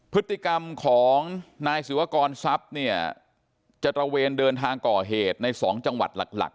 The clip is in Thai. พฤติกรรมของนายศิวากรทรัพย์เนี่ยจะตระเวนเดินทางก่อเหตุใน๒จังหวัดหลัก